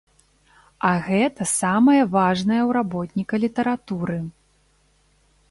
А гэта самае важнае ў работніка літаратуры.